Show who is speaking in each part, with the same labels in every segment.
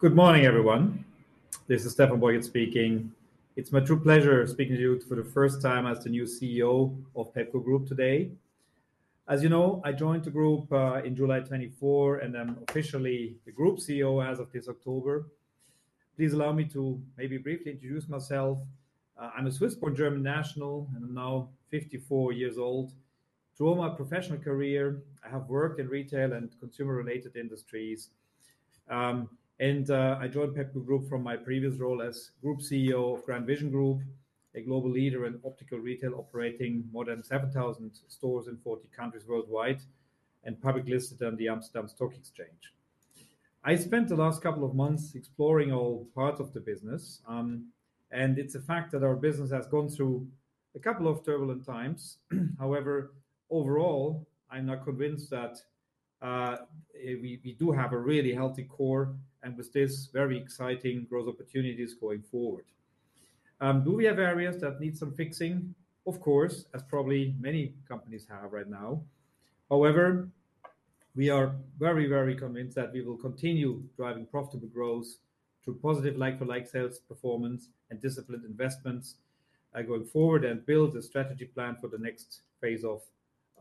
Speaker 1: Good morning, everyone. This is Stephan Borchert speaking. It's my true pleasure speaking to you for the first time as the new CEO of Pepco Group today. As you know, I joined the group in July 2024, and I'm officially the Group CEO as of this October. Please allow me to maybe briefly introduce myself. I'm a Swiss-born German national, and I'm now 54 years old. Throughout my professional career, I have worked in retail and consumer-related industries. And I joined Pepco Group from my previous role as Group CEO of GrandVision Group, a global leader in optical retail operating more than 7,000 stores in 40 countries worldwide and publicly listed on the Amsterdam Stock Exchange. I spent the last couple of months exploring all parts of the business, and it's a fact that our business has gone through a couple of turbulent times. However, overall, I'm not convinced that we do have a really healthy core and with this very exciting growth opportunities going forward. Do we have areas that need some fixing? Of course, as probably many companies have right now. However, we are very, very convinced that we will continue driving profitable growth through positive like-for-like sales performance and disciplined investments going forward and build a strategy plan for the next phase of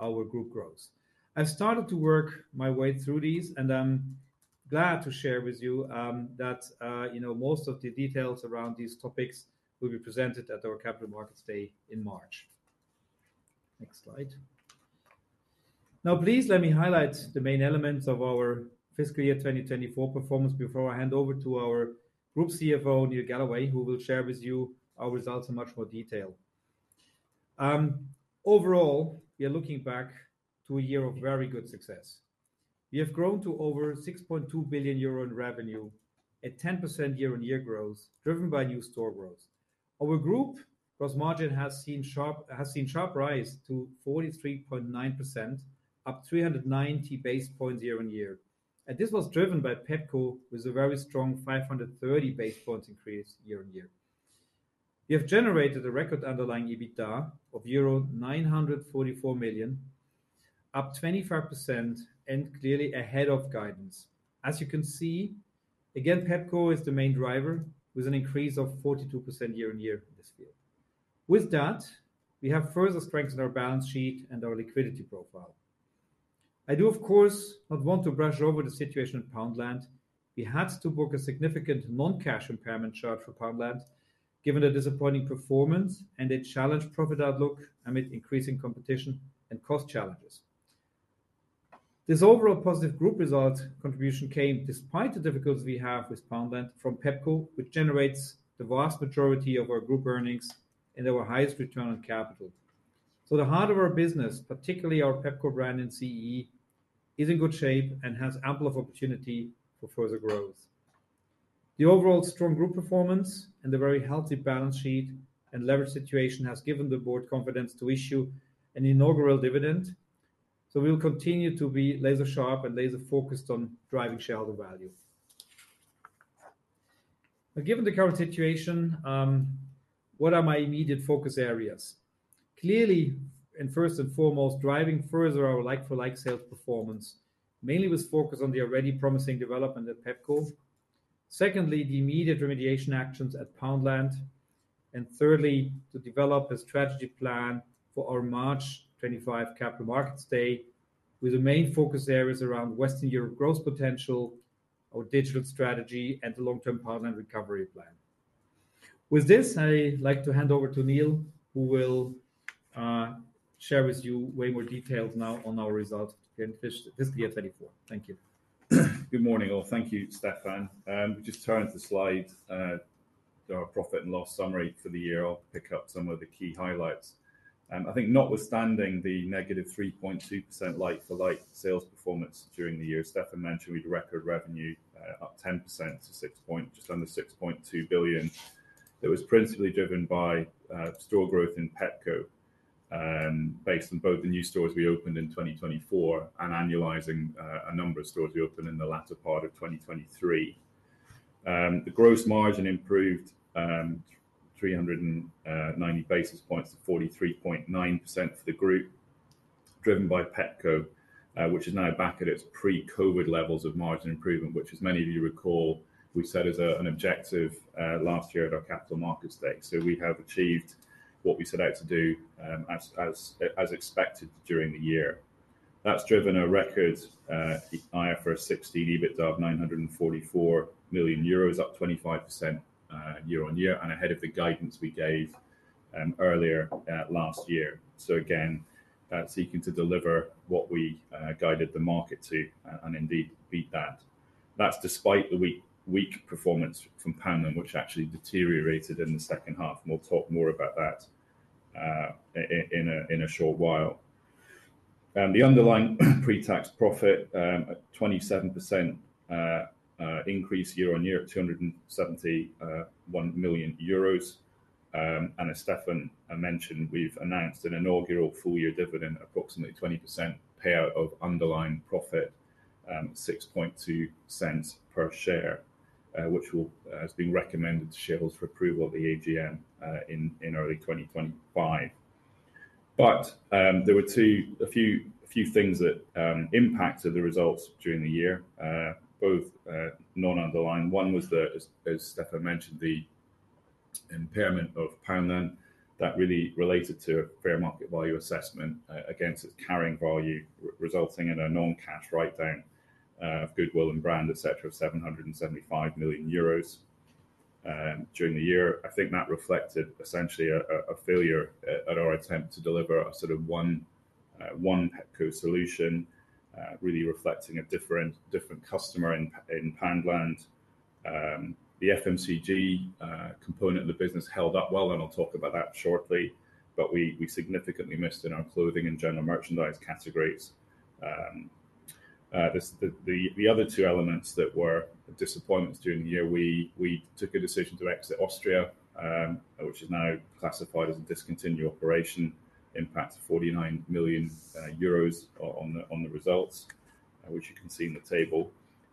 Speaker 1: our group growth. I've started to work my way through these, and I'm glad to share with you that most of the details around these topics will be presented at our Capital Markets Day in March. Next slide. Now, please let me highlight the main elements of our fiscal year 2024 performance before I hand over to our Group CFO, Neil Galloway, who will share with you our results in much more detail. Overall, we are looking back to a year of very good success. We have grown to over 6.2 billion euro in revenue, a 10% year-on-year growth driven by new store growth. Our group gross margin has seen a sharp rise to 43.9%, up 390 basis points year-on-year. And this was driven by Pepco with a very strong 530 basis points increase year-on-year. We have generated a record underlying EBITDA of euro 944 million, up 25% and clearly ahead of guidance. As you can see, again, Pepco is the main driver with an increase of 42% year-on-year in this field. With that, we have further strengthened our balance sheet and our liquidity profile. I do, of course, not want to brush over the situation at Poundland. We had to book a significant non-cash impairment charge for Poundland given the disappointing performance and a challenged profit outlook amid increasing competition and cost challenges. This overall positive group result contribution came despite the difficulties we have with Poundland from Pepco, which generates the vast majority of our group earnings and our highest return on capital. So the heart of our business, particularly our Pepco brand and CEE, is in good shape and has ample opportunity for further growth. The overall strong group performance and the very healthy balance sheet and leverage situation have given the board confidence to issue an inaugural dividend. So we will continue to be laser-sharp and laser-focused on driving shareholder value. Given the current situation, what are my immediate focus areas? Clearly, and first and foremost, driving further our like-for-like sales performance, mainly with focus on the already promising development at Pepco. Secondly, the immediate remediation actions at Poundland. And thirdly, to develop a strategy plan for our March 2025 Capital Markets Day with the main focus areas around Western Europe growth potential, our digital strategy, and the long-term Poundland recovery plan. With this, I'd like to hand over to Neil Galloway, who will share with you way more details now on our results this year 2024. Thank you.
Speaker 2: Good morning all. Thank you, Stephan Borchert. We'll just turn to the slides, our profit and loss summary for the year. I'll pick up some of the key highlights. I think notwithstanding the negative 3.2% like-for-like sales performance during the year, Stephan Borchert mentioned we had record revenue, up 10% to just under 6.2 billion. That was principally driven by store growth in Pepco based on both the new stores we opened in 2024 and annualizing a number of stores we opened in the latter part of 2023. The gross margin improved 390 basis points to 43.9% for the group, driven by Pepco, which is now back at its pre-COVID levels of margin improvement, which, as many of you recall, we set as an objective last year at our Capital Markets Day. So we have achieved what we set out to do as expected during the year. That's driven a record high for LTM EBITDA of 944 million euros, up 25% year-on-year and ahead of the guidance we gave earlier last year. So again, seeking to deliver what we guided the market to and indeed beat that. That's despite the weak performance from Poundland, which actually deteriorated in the second half. And we'll talk more about that in a short while. The underlying pre-tax profit, a 27% increase year-on-year at 271 million euros. And as Stephan Borchert mentioned, we've announced an inaugural full-year dividend, approximately 20% payout of underlying profit, 0.062 per share, which has been recommended to shareholders for approval at the AGM in early 2025. But there were a few things that impacted the results during the year, both non-underlying. One was, as Stephan Borchert mentioned, the impairment of Poundland that really related to a fair market value assessment against its carrying value, resulting in a non-cash write-down of Goodwill and Brand, etc., of 775 million euros during the year. I think that reflected essentially a failure at our attempt to deliver a sort of one Pepco solution, really reflecting a different customer in Poundland. The FMCG component of the business held up well, and I'll talk about that shortly, but we significantly missed in our clothing and general merchandise categories. The other two elements that were disappointments during the year, we took a decision to exit Austria, which is now classified as a discontinued operation, impacted EUR 49 million on the results, which you can see in the table.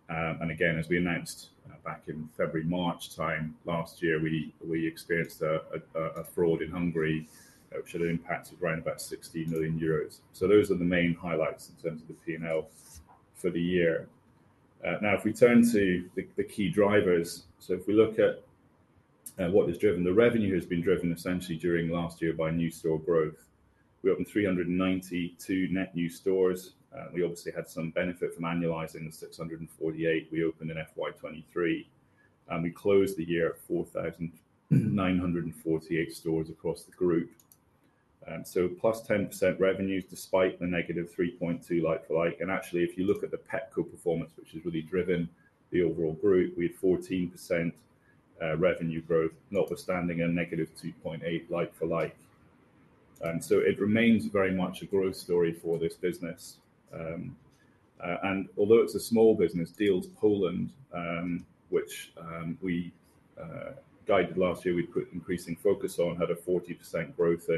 Speaker 2: Again, as we announced back in February/March time last year, we experienced a fraud in Hungary, which had an impact of right about 60 million euros. Those are the main highlights in terms of the P&L for the year. Now, if we turn to the key drivers, if we look at what has driven, the revenue has been driven essentially during last year by new store growth. We opened 392 net new stores. We obviously had some benefit from annualizing the 648 we opened in FY 2023. We closed the year at 4,948 stores across the group. Plus 10% revenues despite the negative 3.2% like-for-like. Actually, if you look at the Pepco performance, which has really driven the overall group, we had 14% revenue growth, notwithstanding a negative 2.8% like-for-like. It remains very much a growth story for this business. Although it's a small business, Dealz Poland, which we guided last year, we put increasing focus on, had a 40% growth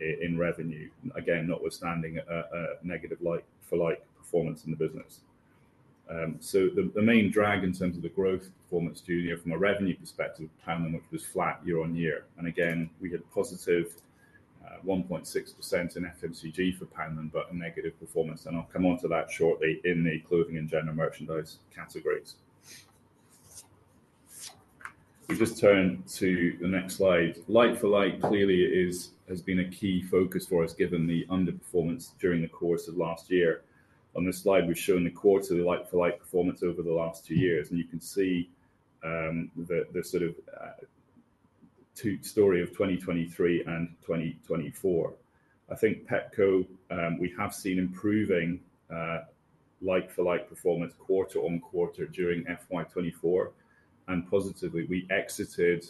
Speaker 2: in revenue. Again, notwithstanding a negative like-for-like performance in the business. The main drag in terms of the growth performance was from a revenue perspective of Poundland, which was flat year-on-year. Again, we had positive 1.6% in FMCG for Poundland, but a negative performance. I'll come on to that shortly in the clothing and general merchandise categories. We'll just turn to the next slide. Like-for-like, clearly, has been a key focus for us given the underperformance during the course of last year. On this slide, we've shown the quarterly like-for-like performance over the last two years. You can see the sort of story of 2023 and 2024. I think Pepco, we have seen improving like-for-like performance quarter on quarter during FY 2024. Positively, we exited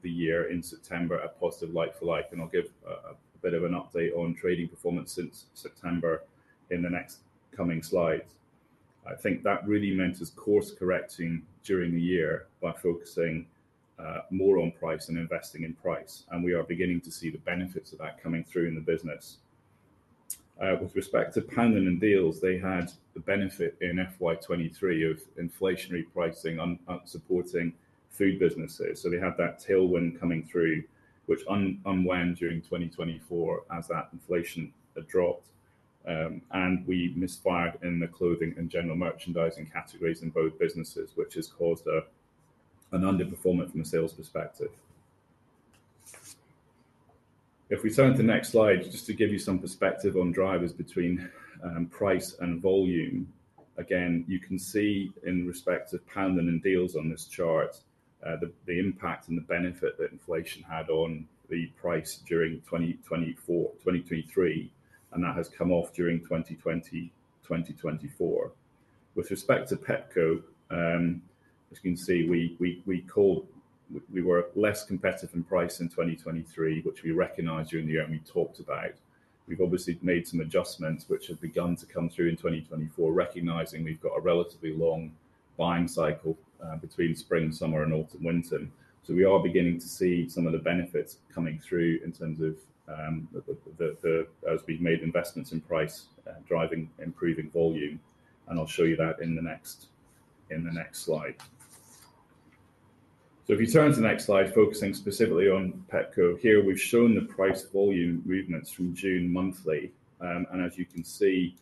Speaker 2: the year in September at positive like-for-like. I'll give a bit of an update on trading performance since September in the next coming slides. I think that really meant us course-correcting during the year by focusing more on price and investing in price. We are beginning to see the benefits of that coming through in the business. With respect to Poundland and Dealz Poland, they had the benefit in FY 2023 of inflationary pricing supporting food businesses. They had that tailwind coming through, which unwound during 2024 as that inflation had dropped. We misfired in the clothing and general merchandising categories in both businesses, which has caused an underperformance from a sales perspective. If we turn to the next slide, just to give you some perspective on drivers between price and volume. Again, you can see in respect to Poundland and Dealz Poland on this chart the impact and the benefit that inflation had on the price during 2023, and that has come off during 2023-2024. With respect to Pepco, as you can see, we were less competitive in price in 2023, which we recognized during the year and we talked about. We've obviously made some adjustments, which have begun to come through in 2024, recognizing we've got a relatively long buying cycle between spring, summer, and autumn, winter. So we are beginning to see some of the benefits coming through in terms of, as we've made investments in price, driving improving volume. And I'll show you that in the next slide. So if we turn to the next slide, focusing specifically on Pepco, here we've shown the price volume movements from June monthly. And as you can see,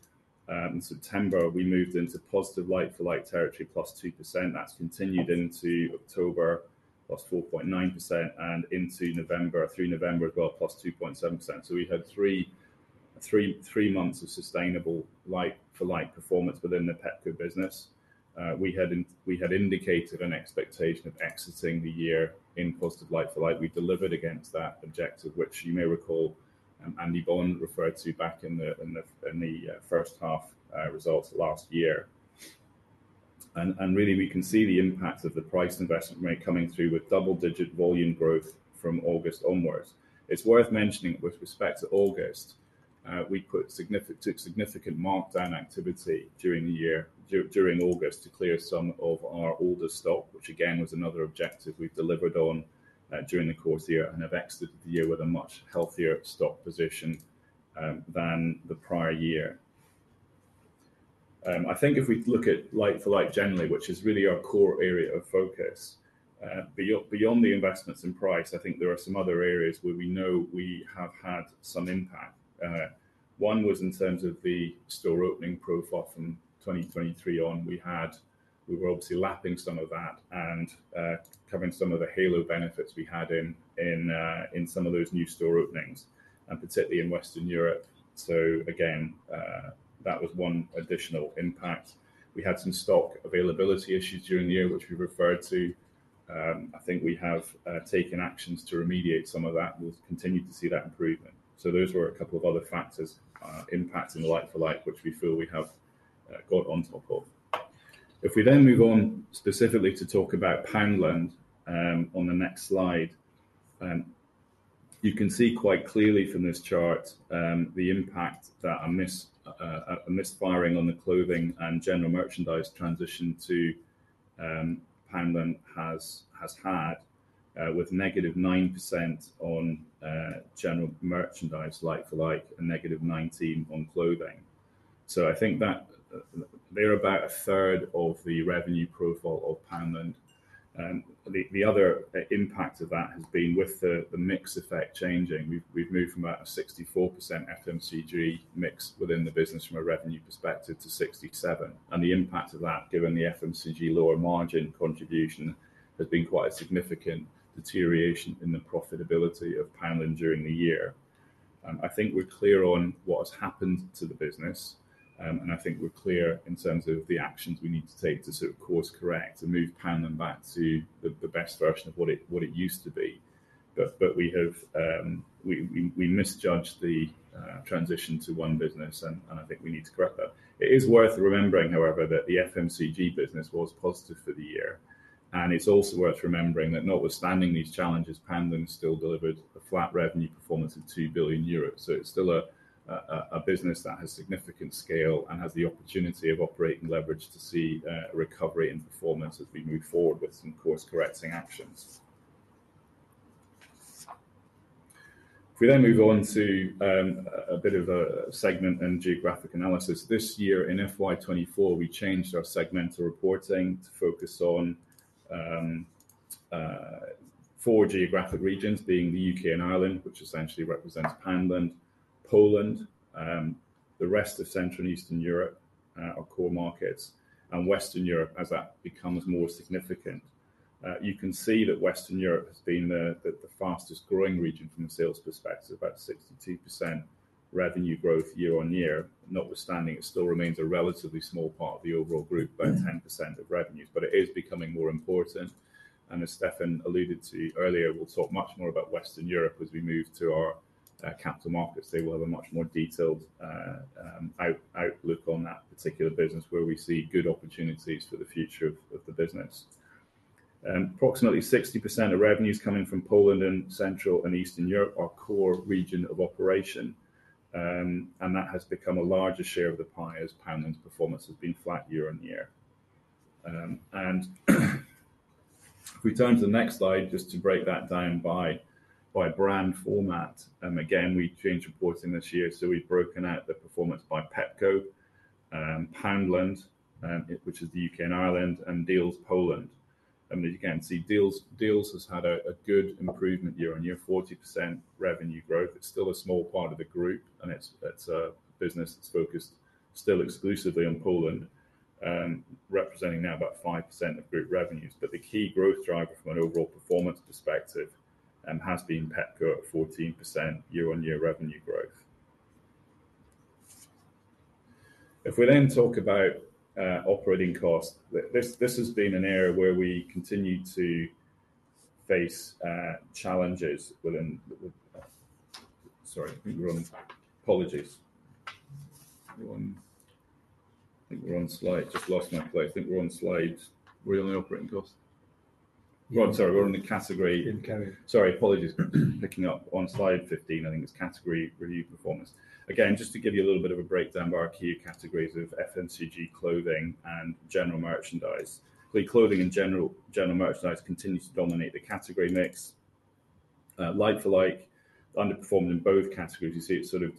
Speaker 2: in September, we moved into positive like-for-like territory, +2%. That's continued into October, +4.9%, and into November, through November as well, +2.7%. So we had three months of sustainable like-for-like performance within the Pepco business. We had indicated an expectation of exiting the year in positive like-for-like. We delivered against that objective, which you may recall Andy Bond referred to back in the first half results last year. And really, we can see the impact of the price investment rate coming through with double-digit volume growth from August onwards. It's worth mentioning with respect to August, we took significant markdown activity during the year during August to clear some of our older stock, which again was another objective we've delivered on during the course of the year and have exited the year with a much healthier stock position than the prior year. I think if we look at like-for-like generally, which is really our core area of focus, beyond the investments in price, I think there are some other areas where we know we have had some impact. One was in terms of the store opening profile from 2023 on. We were obviously lapping some of that and covering some of the halo benefits we had in some of those new store openings, and particularly in Western Europe. So again, that was one additional impact. We had some stock availability issues during the year, which we referred to. I think we have taken actions to remediate some of that. We'll continue to see that improvement. So those were a couple of other factors impacting the like-for-like, which we feel we have got on top of. If we then move on specifically to talk about Poundland on the next slide, you can see quite clearly from this chart the impact that a misfiring on the clothing and general merchandise transition to Poundland has had with negative 9% on general merchandise like-for-like and negative 19% on clothing. So I think that they're about 1/3 of the revenue profile of Poundland. The other impact of that has been with the mix effect changing. We've moved from about a 64% FMCG mix within the business from a revenue perspective to 67%. And the impact of that, given the FMCG lower margin contribution, has been quite a significant deterioration in the profitability of Poundland during the year. I think we're clear on what has happened to the business. I think we're clear in terms of the actions we need to take to sort of course-correct and move Poundland back to the best version of what it used to be. We misjudged the transition to one business, and I think we need to correct that. It is worth remembering, however, that the FMCG business was positive for the year. It's also worth remembering that notwithstanding these challenges, Poundland still delivered a flat revenue performance of 2 billion euros. It's still a business that has significant scale and has the opportunity of operating leverage to see a recovery in performance as we move forward with some course-correcting actions. If we then move on to a bit of a segment and geographic analysis. This year in FY 2024, we changed our segmental reporting to focus on four geographic regions being the U.K. and Ireland, which essentially represents Poundland, Poland, the rest of Central and Eastern Europe are core markets, and Western Europe as that becomes more significant. You can see that Western Europe has been the fastest growing region from a sales perspective, about 62% revenue growth year-on-year. Notwithstanding, it still remains a relatively small part of the overall group, about 10% of revenues, but it is becoming more important, and as Stephan Borchert alluded to earlier, we'll talk much more about Western Europe as we move to our Capital Markets Day. They will have a much more detailed outlook on that particular business where we see good opportunities for the future of the business. Approximately 60% of revenues coming from Poland and Central and Eastern Europe are core region of operation. That has become a larger share of the pie as Poundland's performance has been flat year-on-year. If we turn to the next slide, just to break that down by brand format. Again, we changed reporting this year. We've broken out the performance by Pepco, Poundland, which is the U.K. and Ireland, and Dealz Poland . Dealz Poland has had a good improvement year-on-year, 40% revenue growth. It's still a small part of the group, and it's a business that's focused still exclusively on Poland, representing now about 5% of group revenues. The key growth driver from an overall performance perspective has been Pepco at 14% year-on-year revenue growth. If we then talk about operating costs, this has been an area where we continue to face challenges within the. Picking up on slide 15, I think it's category review performance. Again, just to give you a little bit of a breakdown by our key categories of FMCG, clothing, and general merchandise. Clothing and general merchandise continue to dominate the category mix. Like-for-like underperformed in both categories. You see it's sort of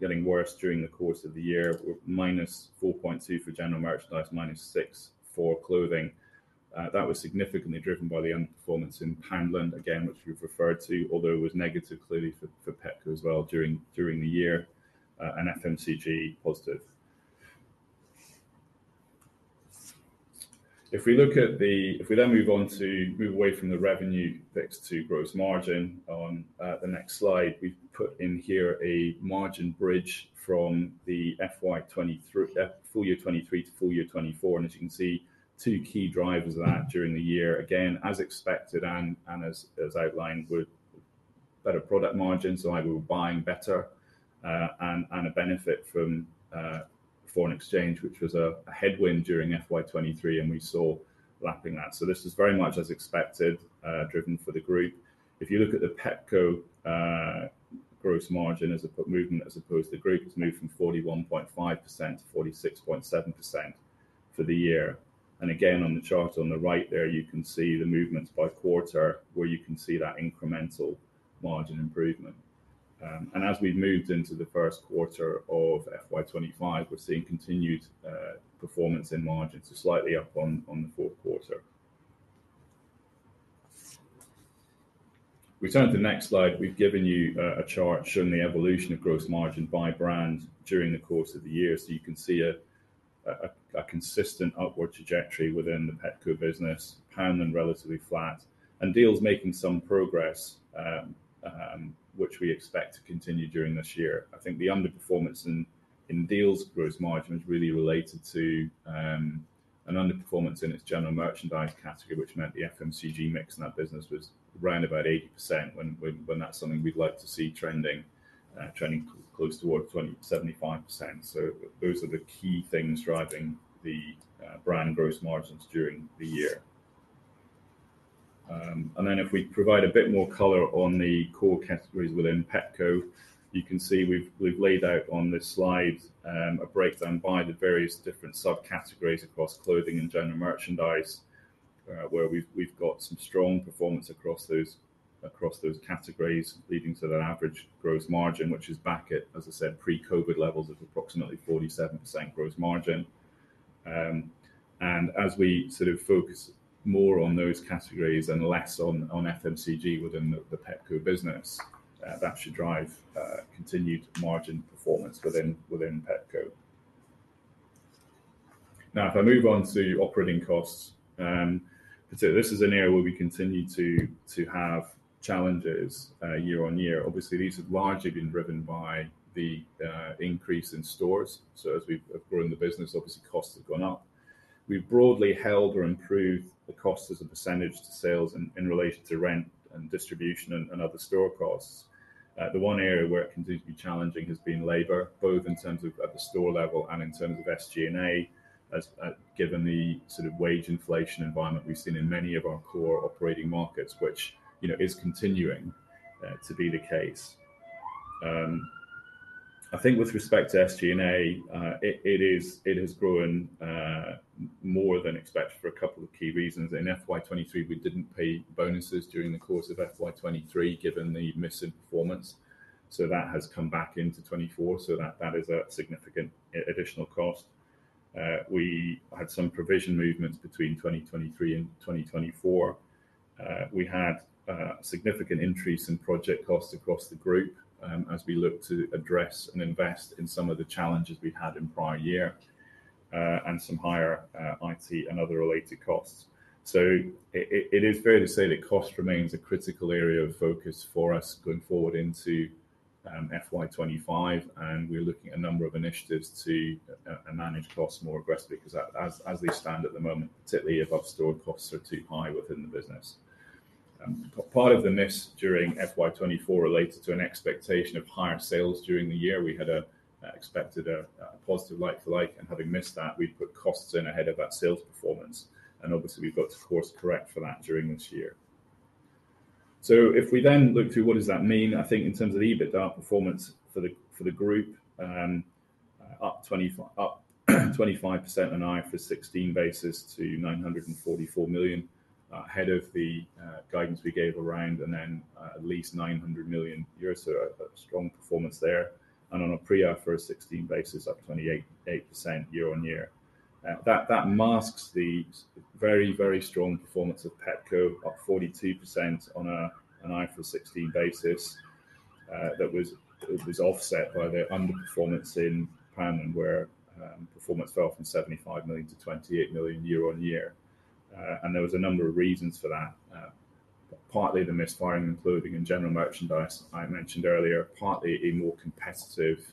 Speaker 2: getting worse during the course of the year with -4.2% for general merchandise, -6% for clothing. That was significantly driven by the underperformance in Poundland, again, which we've referred to, although it was negative clearly for Pepco as well during the year and FMCG positive. If we then move on to move away from the revenue mix to gross margin on the next slide, we've put in here a margin bridge from full year 2023 to full year 2024. As you can see, two key drivers of that during the year, again, as expected and as outlined, were better product margins, so either we're buying better and a benefit from foreign exchange, which was a head-wind during FY 2023, and we saw lapping that. This is very much as expected, driven for the group. If you look at the Pepco gross margin movement as opposed to the group, it's moved from 41.5% to 46.7% for the year. Again, on the chart on the right there, you can see the movements by quarter where you can see that incremental margin improvement. As we've moved into the first quarter of FY 2025, we're seeing continued performance in margin, so slightly up on the fourth quarter. We turn to the next slide. We've given you a chart showing the evolution of gross margin by brand during the course of the year. You can see a consistent upward trajectory within the Pepco business. Poundland relatively flat. Dealz Poland making some progress, which we expect to continue during this year. I think the underperformance in Dealz Poland gross margin was really related to an underperformance in its general merchandise category, which meant the FMCG mix in that business was around about 80% when that's something we'd like to see trending close toward 75%. Those are the key things driving the brand gross margins during the year. And then if we provide a bit more color on the core categories within Pepco, you can see we've laid out on this slide a breakdown by the various different subcategories across clothing and general merchandise, where we've got some strong performance across those categories, leading to that average gross margin, which is back at, as I said, pre-COVID levels of approximately 47% gross margin. And as we sort of focus more on those categories and less on FMCG within the Pepco business, that should drive continued margin performance within Pepco. Now, if I move on to operating costs, this is an area where we continue to have challenges year-on-year. Obviously, these have largely been driven by the increase in stores. So as we've grown the business, obviously, costs have gone up. We've broadly held or improved the cost as a percentage to sales in relation to rent and distribution and other store costs. The one area where it continues to be challenging has been labor, both in terms of at the store level and in terms of SG&A, given the sort of wage inflation environment we've seen in many of our core operating markets, which is continuing to be the case. I think with respect to SG&A, it has grown more than expected for a couple of key reasons. In FY 2023, we didn't pay bonuses during the course of FY 2023, given the missing performance. So that has come back into 2024, so that is a significant additional cost. We had some provision movements between 2023 and 2024. We had a significant increase in project costs across the group as we looked to address and invest in some of the challenges we'd had in prior year and some higher IT and other related costs. So it is fair to say that cost remains a critical area of focus for us going forward into FY 2025, and we're looking at a number of initiatives to manage costs more aggressively because, as they stand at the moment, particularly above store costs are too high within the business. Part of the miss during FY 2024 related to an expectation of higher sales during the year. We had expected a positive like-for-like, and having missed that, we put costs in ahead of that sales performance, and obviously, we've got to course-correct for that during this year. So if we then look through what does that mean. I think in terms of EBITDA performance for the group, up 25% on an IFRS 16 basis to 944 million ahead of the guidance we gave around, and then at least 900 million euros. So a strong performance there. And on a pre-IFRS 16 basis, up 28% year-on-year. That masks the very, very strong performance of Pepco, up 42% on an IFRS 16 basis, that was offset by the underperformance in Poundland, where performance fell from 75 million to 28 million year-on-year. And there was a number of reasons for that, partly the misfiring of clothing and general merchandise I mentioned earlier, partly a more competitive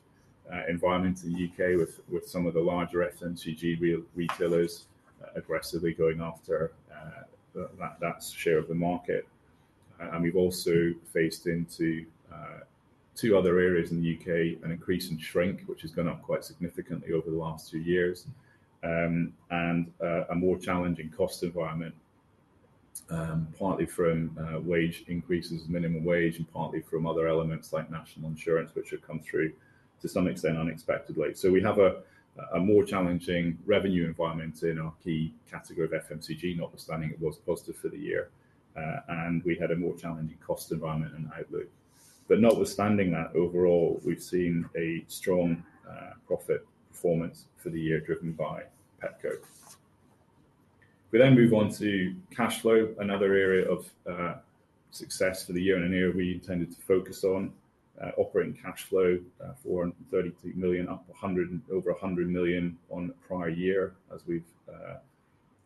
Speaker 2: environment in the U.K. with some of the larger FMCG retailers aggressively going after that share of the market. We've also faced two other areas in the U.K., an increase in shrink, which has gone up quite significantly over the last two years, and a more challenging cost environment, partly from wage increases, minimum wage, and partly from other elements like national insurance, which have come through to some extent unexpectedly. We have a more challenging revenue environment in our key category of FMCG, notwithstanding it was positive for the year. We had a more challenging cost environment and outlook. Notwithstanding that, overall, we've seen a strong profit performance for the year driven by Pepco. If we then move on to cash flow, another area of success for the year in an area we intended to focus on, operating cash flow, 432 million, up over 100 million on prior year as we've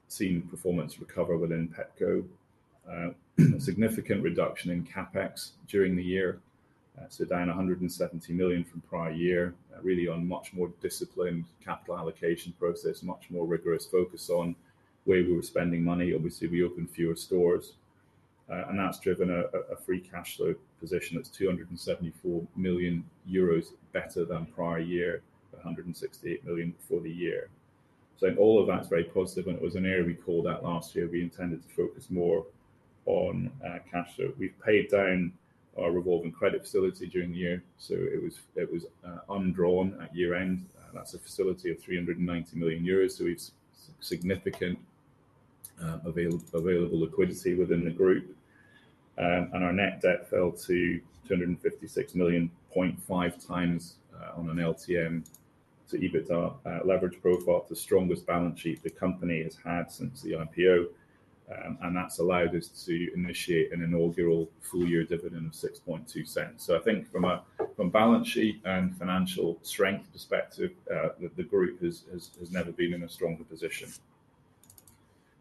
Speaker 2: seen performance recover within Pepco. A significant reduction in CapEx during the year, so down 170 million EUR from prior year, really on much more disciplined capital allocation process, much more rigorous focus on where we were spending money. Obviously, we opened fewer stores. And that's driven a free cash flow position that's 274 million euros better than prior year, 168 million EUR for the year. So all of that's very positive. And it was an area we called out last year we intended to focus more on cash flow. We've paid down our revolving credit facility during the year. So it was undrawn at year-end. That's a facility of 390 million euros. So we have significant available liquidity within the group. And our net debt fell to 256 million EUR, 0.5 times on an LTM to EBITDA leverage profile, the strongest balance sheet the company has had since the IPO. That's allowed us to initiate an inaugural full-year dividend of 0.062. I think from a balance sheet and financial strength perspective, the group has never been in a stronger position.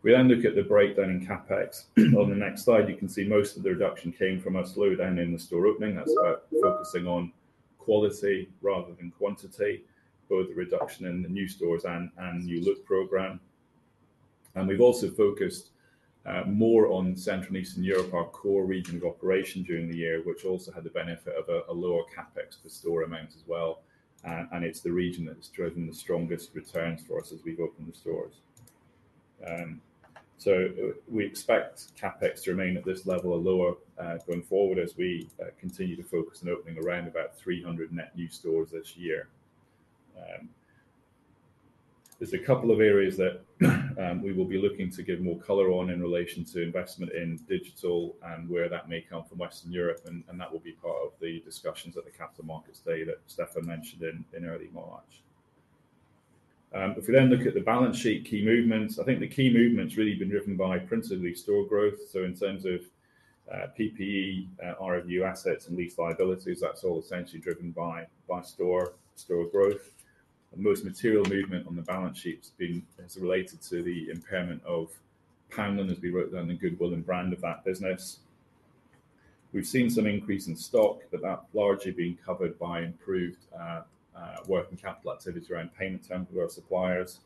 Speaker 2: We then look at the breakdown in CapEx. On the next slide, you can see most of the reduction came from us lower down in the store opening. That's about focusing on quality rather than quantity, both the reduction in the new stores and New Look program. We've also focused more on Central and Eastern Europe, our core region of operation during the year, which also had the benefit of a lower CapEx per store amount as well. It's the region that has driven the strongest returns for us as we've opened the stores. So we expect CapEx to remain at this level or lower going forward as we continue to focus on opening around about 300 net new stores this year. There's a couple of areas that we will be looking to give more color on in relation to investment in digital and where that may come from Western Europe. And that will be part of the discussions at the Capital Markets Day that Stephan Borchert mentioned in early March. If we then look at the balance sheet key movements, I think the key movement's really been driven by principally store growth. So in terms of PPE, ROU assets, and lease liabilities, that's all essentially driven by store growth. Most material movement on the balance sheet has been related to the impairment of Poundland, as we wrote down the goodwill and brand of that business. We've seen some increase in stock, but that's largely being covered by improved working capital activities around payment terms with our suppliers.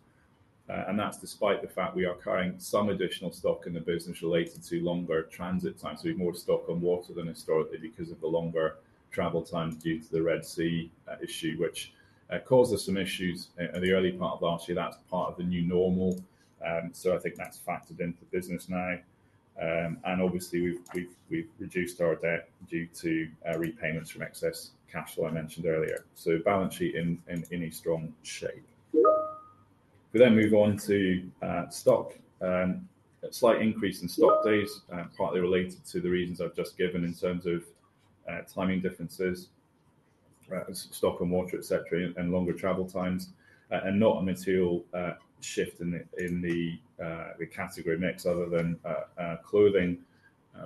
Speaker 2: That's despite the fact we are carrying some additional stock in the business related to longer transit times. We have more stock on water than historically because of the longer travel times due to the Red Sea issue, which caused us some issues in the early part of last year. That's part of the new normal. I think that's factored into the business now. Obviously, we've reduced our debt due to repayments from excess cash flow I mentioned earlier. The balance sheet is in a very strong shape. If we then move on to stock, there's a slight increase in stock days, partly related to the reasons I've just given in terms of timing differences, stock on water, etc., and longer travel times. And not a material shift in the category mix other than clothing.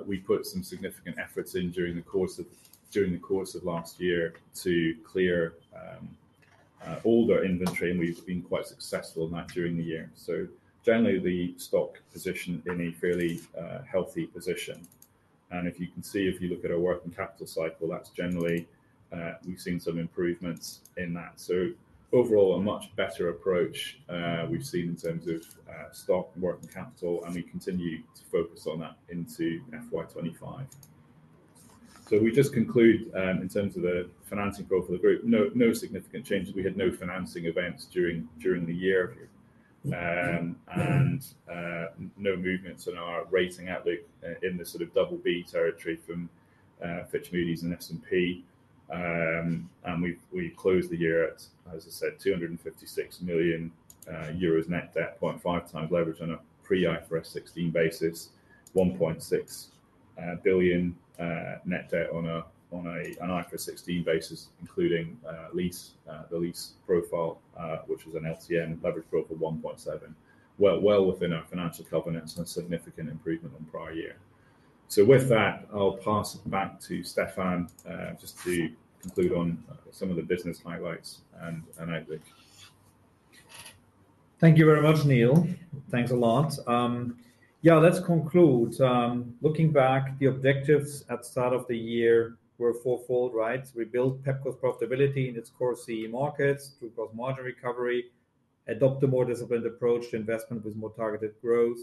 Speaker 2: We put some significant efforts in during the course of last year to clear all the inventory, and we've been quite successful in that during the year. So generally, the stock position is in a fairly healthy position. And if you can see, if you look at our working capital cycle, that's generally we've seen some improvements in that. So overall, a much better approach we've seen in terms of stock and working capital, and we continue to focus on that into FY 2025. So if we just conclude in terms of the financing flow for the group, no significant changes. We had no financing events during the year. And no movements in our rating outlook in the sort of BB territory from Fitch, Moody's, and S&P. And we closed the year at, as I said, 256 million euros net debt, 0.5x leverage on a pre-IFRS 16 basis, 1.6 billion net debt on an IFRS 16 basis, including the lease profile, which was an LTM leverage profile, 1.7x, well within our financial covenants and a significant improvement on prior year. So with that, I'll pass it back to Stephan Borchert just to conclude on some of the business highlights and outlook.
Speaker 1: Thank you very much, Neil Galloway. Thanks a lot. Yeah, let's conclude. Looking back, the objectives at the start of the year were fourfold, right? We built Pepco's profitability in its core CE markets through gross margin recovery, adopt a more disciplined approach to investment with more targeted growth,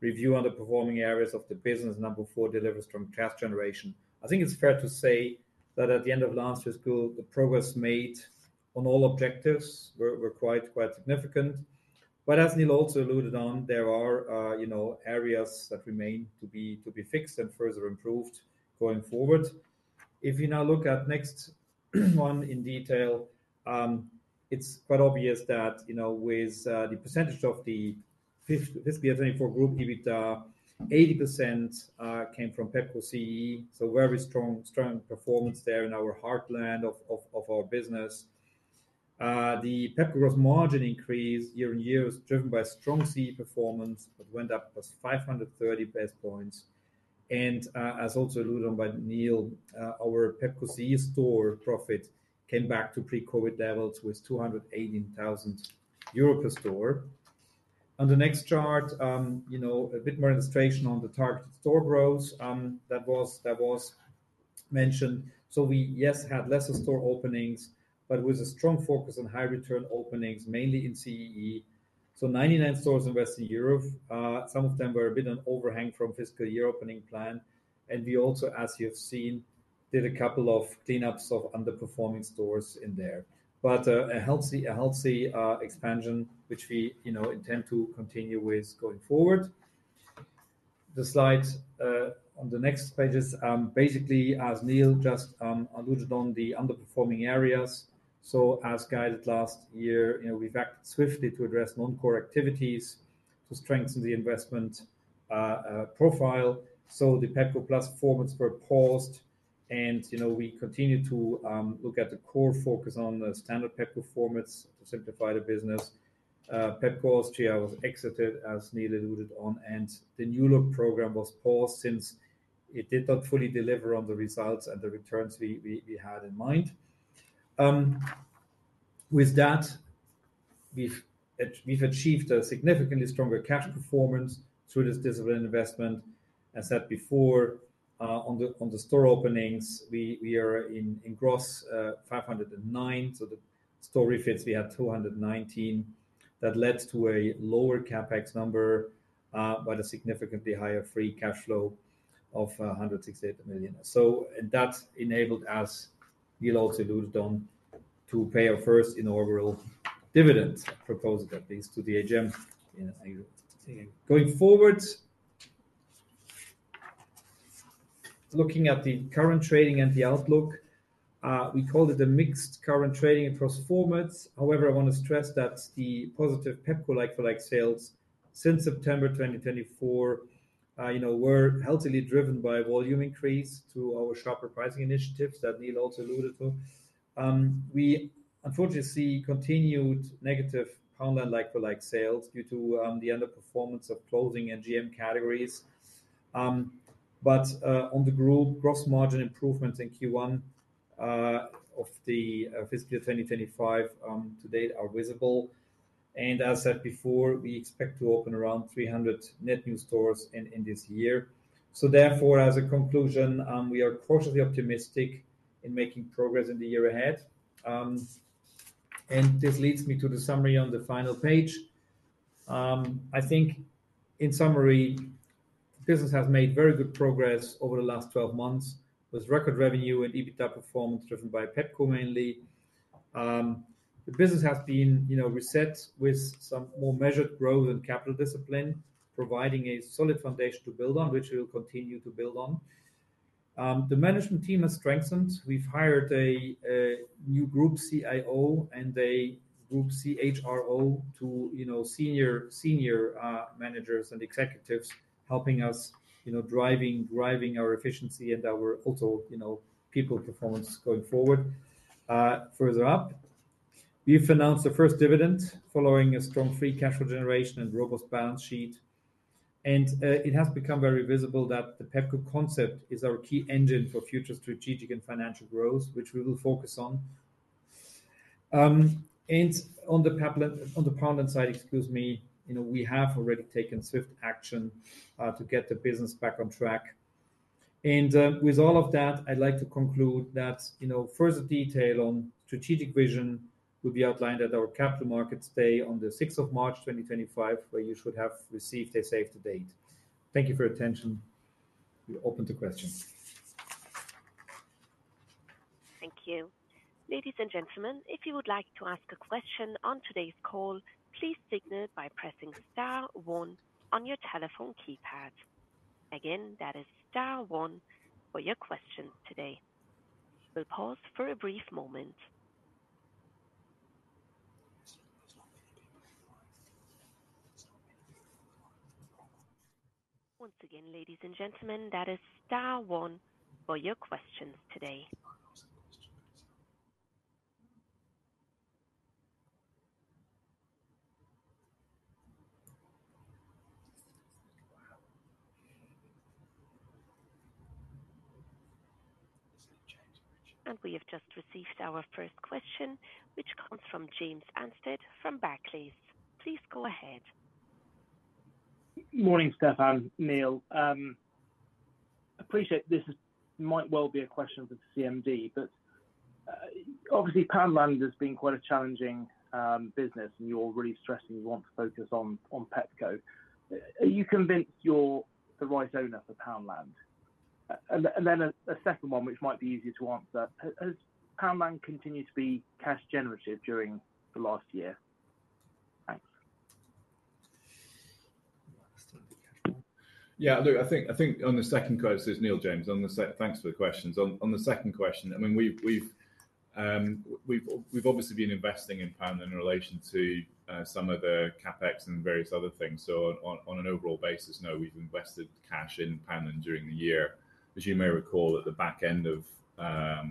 Speaker 1: review underperforming areas of the business, and number four, deliver strong cash generation. I think it's fair to say that at the end of last year's call, the progress made on all objectives were quite significant. But as Neil Galloway also alluded on, there are areas that remain to be fixed and further improved going forward. If we now look at next one in detail, it's quite obvious that with the percentage of the FY 2024 group EBITDA, 80% came from Pepco CEE. So very strong performance there in our heartland of our business. The Pepco gross margin increase year-on-year was driven by strong CEE performance, but went up plus 530 basis points. And as also alluded on by Neil Galloway, our Pepco CEE store profit came back to pre-COVID levels with 218,000 euro per store. On the next chart, a bit more illustration on the targeted store growth that was mentioned. We, yes, had lesser store openings, but with a strong focus on high-return openings, mainly in CEE, so 99 stores in Western Europe, some of them were a bit on overhang from fiscal year opening plan, and we also, as you've seen, did a couple of cleanups of underperforming stores in there, but a healthy expansion, which we intend to continue with going forward. The slides on the next pages, basically, as Neil Galloway just alluded to, the underperforming areas, so as guided last year, we've acted swiftly to address non-core activities to strengthen the investment profile, so the Pepco Plus performance were paused, and we continue to look at the core focus on the standard Pepco formats to simplify the business. Pepco Austria was exited, as Neil Galloway alluded to, and the new look program was paused since it did not fully deliver on the results and the returns we had in mind. With that, we've achieved a significantly stronger cash performance through this disciplined investment. As said before, on the store openings, we are in gross 509, so the store refits, we had 219. That led to a lower CapEx number, but a significantly higher free cash flow of 168 million, so that enabled us, Neil Galloway also alluded to, to pay our first inaugural dividend, proposed at least, to the AGM. Going forward, looking at the current trading and the outlook, we called it a mixed current trading across formats. However, I want to stress that the positive Pepco like-for-like sales since September 2024 were healthily driven by volume increase through our sharper pricing initiatives that Neil Galloway also alluded to. We unfortunately see continued negative Poundland like-for-like sales due to the underperformance of clothing and GM categories, but on the group, gross margin improvements in Q1 of the fiscal year 2025 to date are visible, and as said before, we expect to open around 300 net new stores in this year, so therefore, as a conclusion, we are cautiously optimistic in making progress in the year ahead, and this leads me to the summary on the final page. I think, in summary, the business has made very good progress over the last 12 months with record revenue and EBITDA performance driven by Pepco mainly. The business has been reset with some more measured growth and capital discipline, providing a solid foundation to build on, which we will continue to build on. The management team has strengthened. We've hired a new group CIO and a group CHRO to senior managers and executives, helping us driving our efficiency and also our people performance going forward. Furthermore, we've announced the first dividend following a strong free cash flow generation and robust balance sheet. And it has become very visible that the Pepco concept is our key engine for future strategic and financial growth, which we will focus on. And on the Poundland side, excuse me, we have already taken swift action to get the business back on track. And with all of that, I'd like to conclude that further detail on strategic vision will be outlined at our Capital Markets Day on the 6th of March 2025, where you should have received a save the date. Thank you for your attention. We're open to questions. Thank you.
Speaker 3: Ladies and gentlemen, if you would like to ask a question on today's call, please signal by pressing star one on your telephone keypad. Again, that is star one for your questions today. We'll pause for a brief moment. Once again, ladies and gentlemen, that is star one for your questions today. And we have just received our first question, which comes from James Anstead from Barclays. Please go ahead.
Speaker 4: Morning, Stephan Borchert, Neil Galloway. Appreciate this might well be a question for the CMD, but obviously, Poundland has been quite a challenging business, and you're really stressing you want to focus on Pepco. Are you convinced you're the right owner for Poundland? And then a second one, which might be easier to answer. Has Poundland continued to be cash generative during the last year? Thanks.
Speaker 2: Yeah, look, I think on the second question, Neil. James Anstead, thanks for the questions. On the second question, I mean, we've obviously been investing in Poundland in relation to some of the CapEx and various other things. So on an overall basis, no, we've invested cash in Poundland during the year. As you may recall, at the back end of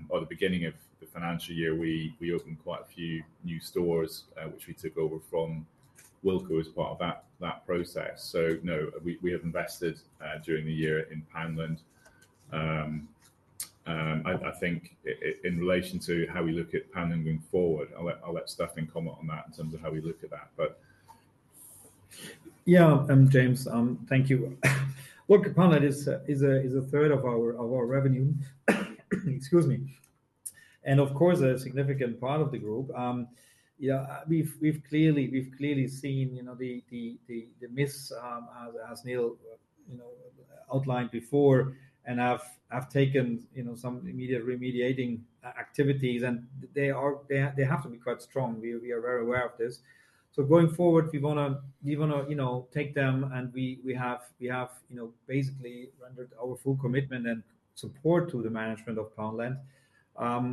Speaker 2: or the beginning of the financial year, we opened quite a few new stores, which we took over from Wilko as part of that process. So no, we have invested during the year in Poundland. I think in relation to how we look at Poundland going forward, I'll let Stephan Borchert comment on that in terms of how we look at that, but.
Speaker 1: Yeah, James Anstead, thank you. Look, Poundland is a third of our revenue, excuse me, and of course, a significant part of the group. We've clearly seen the miss, as Neil outlined before, and have taken some immediate remediating activities, and they have to be quite strong. We are very aware of this, so going forward, we want to take them, and we have basically rendered our full commitment and support to the management of Poundland.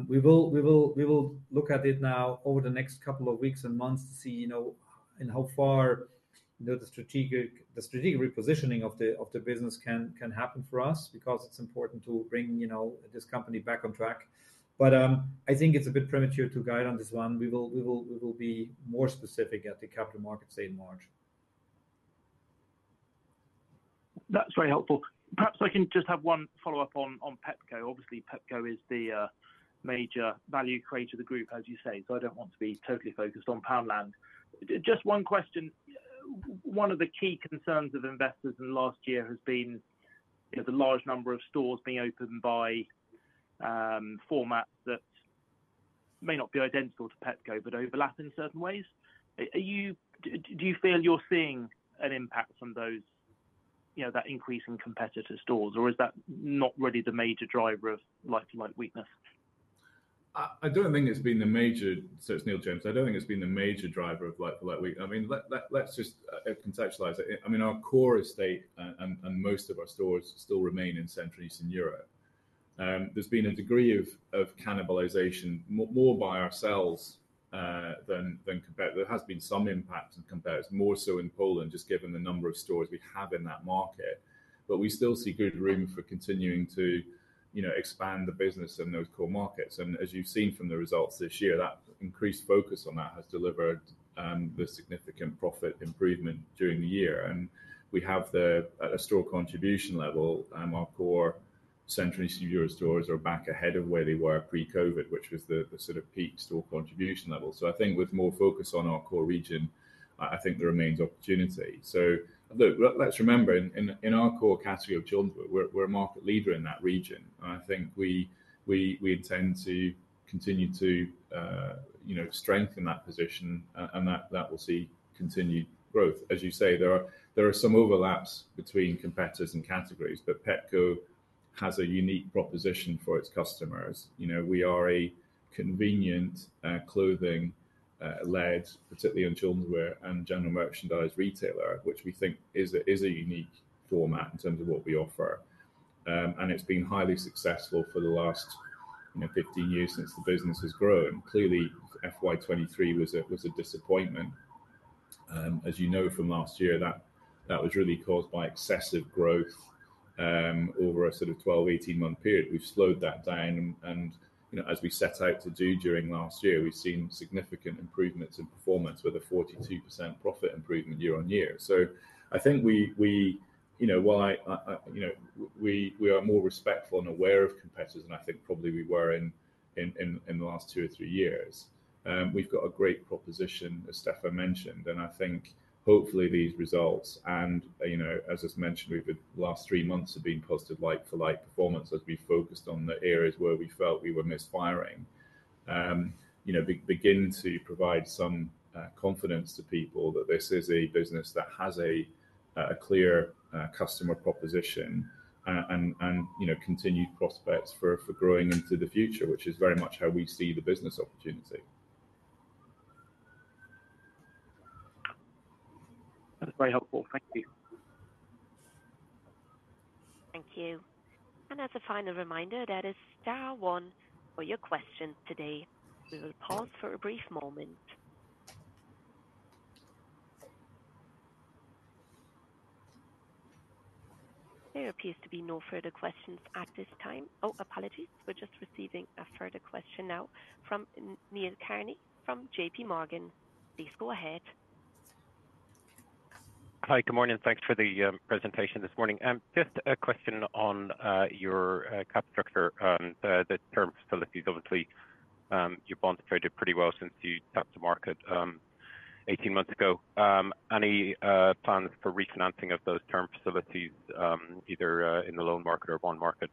Speaker 1: We will look at it now over the next couple of weeks and months to see in how far the strategic repositioning of the business can happen for us because it's important to bring this company back on track, but I think it's a bit premature to guide on this one. We will be more specific at the Capital Markets Day in March.
Speaker 4: That's very helpful. Perhaps I can just have one follow-up on Pepco. Obviously, Pepco is the major value creator of the group, as you say, so I don't want to be totally focused on Poundland. Just one question. One of the key concerns of investors in the last year has been the large number of stores being opened by formats that may not be identical to Pepco but overlap in certain ways. Do you feel you're seeing an impact from that increase in competitor stores, or is that not really the major driver of like-for-like weakness?
Speaker 2: I don't think it's been the major driver of like-for-like weakness. I mean, let's just contextualize it. I mean, our core estate and most of our stores still remain in Central and Eastern Europe. There's been a degree of cannibalization, more by ourselves than competitors. There has been some impact on comparisons, more so in Poland, just given the number of stores we have in that market. But we still see good room for continuing to expand the business in those core markets. And as you've seen from the results this year, that increased focus on that has delivered the significant profit improvement during the year. And we have a store contribution level, and our core Central and Eastern Europe stores are back ahead of where they were pre-COVID, which was the sort of peak store contribution level. So I think with more focus on our core region, I think there remains opportunity. So look, let's remember, in our core category of children, we're a market leader in that region. And I think we intend to continue to strengthen that position, and that will see continued growth. As you say, there are some overlaps between competitors and categories, but Pepco has a unique proposition for its customers. We are a convenient clothing-led, particularly in children's wear, and general merchandise retailer, which we think is a unique format in terms of what we offer and it's been highly successful for the last 15 years since the business has grown. Clearly, FY 2023 was a disappointment. As you know from last year, that was really caused by excessive growth over a sort of 12-18-month period. We've slowed that down, and as we set out to do during last year, we've seen significant improvements in performance with a 42% profit improvement year on year. I think while we are more respectful and aware of competitors, and I think probably we were in the last two or three years, we've got a great proposition, as Stephan Borchert mentioned. And I think hopefully these results, and as I've mentioned, over the last three months have been positive like-for-like performance as we focused on the areas where we felt we were misfiring, begin to provide some confidence to people that this is a business that has a clear customer proposition and continued prospects for growing into the future, which is very much how we see the business opportunity.
Speaker 4: That's very helpful. Thank you.
Speaker 3: Thank you. And as a final reminder, that is star one for your question today. We will pause for a brief moment. There appears to be no further questions at this time. Oh, apologies. We're just receiving a further question now from [Neil Canell] from J.P. Morgan. Please go ahead. Hi, good morning. Thanks for the presentation this morning. Just a question on your capital structure, the term facilities, obviously, you've bonded pretty well since you tapped the market 18 months ago. Any plans for refinancing of those term facilities, either in the loan market or bond market,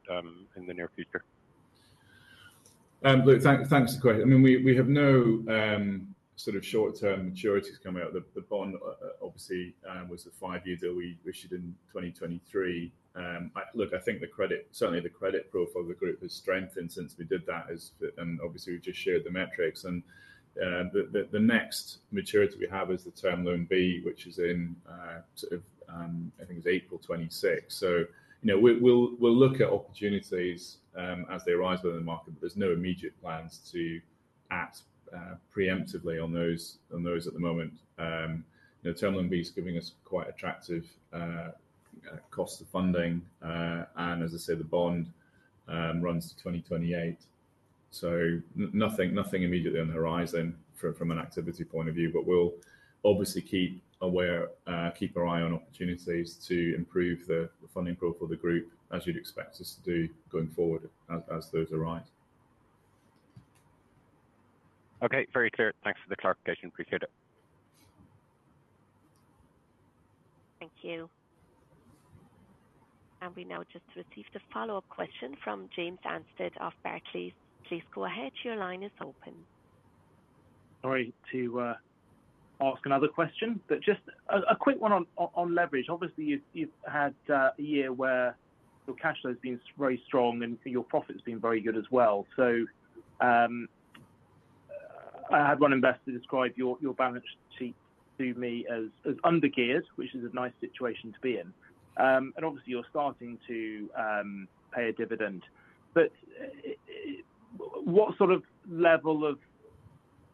Speaker 3: in the near future?
Speaker 2: Look, thanks for the question. I mean, we have no sort of short-term maturities coming out. The bond, obviously, was a five-year deal we issued in 2023. Look, I think certainly the credit profile of the group has strengthened since we did that, and obviously, we just shared the metrics. And the next maturity we have is the Term Loan B, which is in sort of, I think, it was April 2026. So we'll look at opportunities as they arise within the market, but there's no immediate plans to act preemptively on those at the moment. Term Loan B is giving us quite attractive cost of funding. And as I say, the bond runs to 2028. So nothing immediately on the horizon from an activity point of view, but we'll obviously keep our eye on opportunities to improve the funding profile of the group, as you'd expect us to do going forward as those arise.
Speaker 5: Okay, very clear. Thanks for the clarification. Appreciate it.
Speaker 3: Thank you. And we now just received a follow-up question from James Anstead of Barclays. Please go ahead. Your line is open.
Speaker 4: Sorry to ask another question, but just a quick one on leverage. Obviously, you've had a year where your cash flow has been very strong and your profit has been very good as well. So I had one investor describe your balance sheet to me as under-geared, which is a nice situation to be in. And obviously, you're starting to pay a dividend. But what sort of level of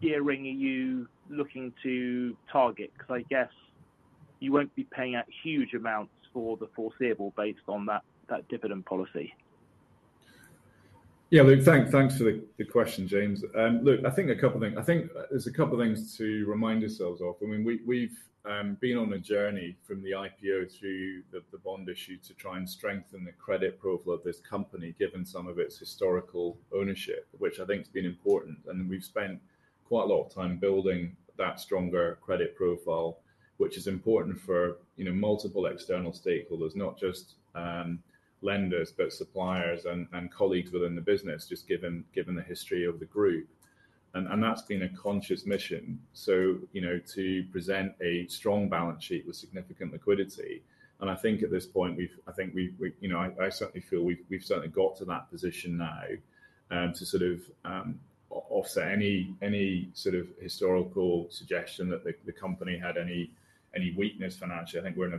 Speaker 4: gearing are you looking to target? Because I guess you won't be paying out huge amounts for the foreseeable based on that dividend policy.
Speaker 2: Yeah, look, thanks for the question, James. Look, I think a couple of things. I think there's a couple of things to remind yourselves of. I mean, we've been on a journey from the IPO to the bond issue to try and strengthen the credit profile of this company, given some of its historical ownership, which I think has been important. And we've spent quite a lot of time building that stronger credit profile, which is important for multiple external stakeholders, not just lenders, but suppliers and colleagues within the business, just given the history of the group. And that's been a conscious mission to present a strong balance sheet with significant liquidity. I think at this point, I think I certainly feel we've certainly got to that position now to sort of offset any sort of historical suggestion that the company had any weakness financially. I think we're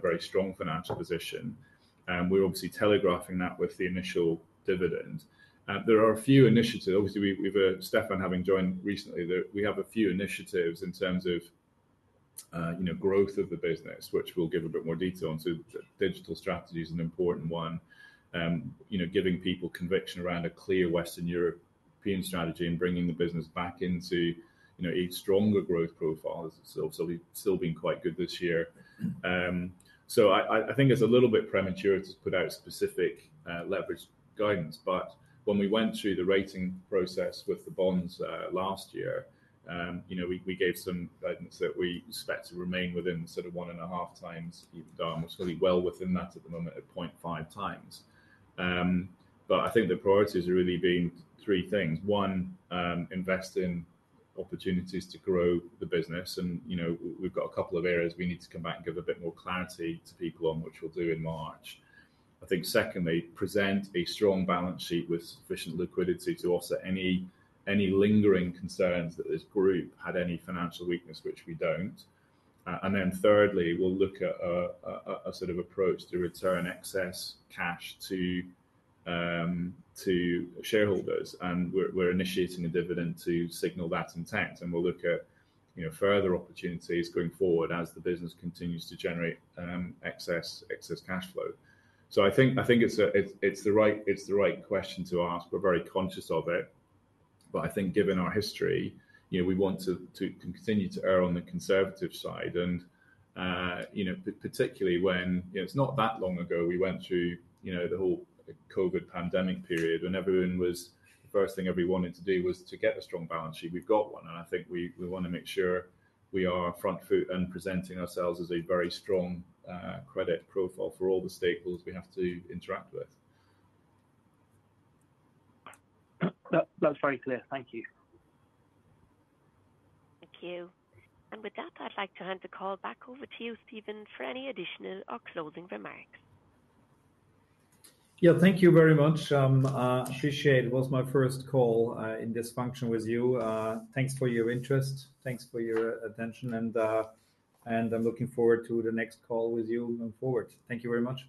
Speaker 2: in a very strong financial position. We're obviously telegraphing that with the initial dividend. There are a few initiatives. Obviously, with Stephan Borchert having joined recently, we have a few initiatives in terms of growth of the business, which we'll give a bit more detail on. Digital strategy is an important one, giving people conviction around a clear Western European strategy and bringing the business back into a stronger growth profile as it's still been quite good this year. I think it's a little bit premature to put out specific leverage guidance. But when we went through the rating process with the bonds last year, we gave some guidance that we expect to remain within sort of one and a half times EBITDA. And we're certainly well within that at the moment at 0.5 times. But I think the priorities have really been three things. One, invest in opportunities to grow the business. And we've got a couple of areas we need to come back and give a bit more clarity to people on which we'll do in March. I think secondly, present a strong balance sheet with sufficient liquidity to offset any lingering concerns that this group had any financial weakness, which we don't. And then thirdly, we'll look at a sort of approach to return excess cash to shareholders. And we're initiating a dividend to signal that intent. We'll look at further opportunities going forward as the business continues to generate excess cash flow. So I think it's the right question to ask. We're very conscious of it. But I think given our history, we want to continue to err on the conservative side. And particularly when it's not that long ago, we went through the whole COVID pandemic period when everyone was the first thing everyone wanted to do was to get a strong balance sheet. We've got one. And I think we want to make sure we are front foot and presenting ourselves as a very strong credit profile for all the stakeholders we have to interact with.
Speaker 4: That's very clear. Thank you.
Speaker 3: Thank you. And with that, I'd like to hand the call back over to you, Stephan Borchert, for any additional or closing remarks.
Speaker 1: Yeah, thank you very much. I appreciate it. It was my first call in this function with you. Thanks for your interest. Thanks for your attention. And I'm looking forward to the next call with you moving forward. Thank you very much.